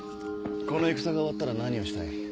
この戦が終わったら何をしたい？